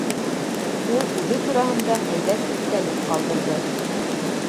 Ул үҙе тураһында һәйбәт иҫтәлек ҡалдырҙы